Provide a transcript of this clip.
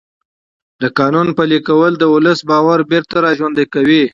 د قانون پلي کول د ولس باور بېرته راژوندی کوي